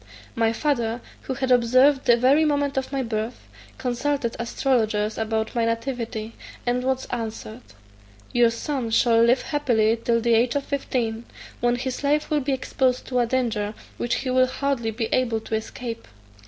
"My father, who had observed the very moment of my birth, consulted astrologers about my nativity; and was answered, 'Your son shall live happily till the age of fifteen, when his life will be exposed to a danger which he will hardly be able to escape.